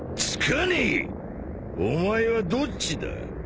お前はどっちだ？